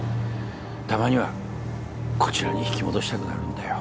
たまにはこちらに引き戻したくなるんだよ